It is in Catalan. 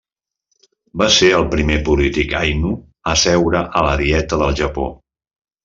Va ser el primer polític ainu a seure a la Dieta del Japó.